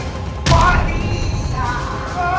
ชื่อฟอยแต่ไม่ใช่แฟง